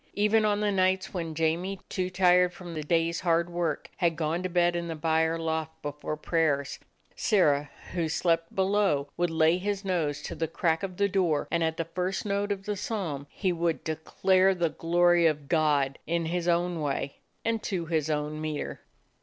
Even on the nights when Jamie, too tired from the day's hard work, had gone to bed in the byre loft be fore prayers, Sirrah, who slept below, would lay his nose to the crack of the door, and at the 73 DOG HEROES OF MANY LANDS first note of the psalm he would "declare the glory of God" in his own way, and to his own meter.